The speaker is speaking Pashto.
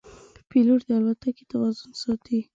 پیلوټ د الوتکې توازن ساتي.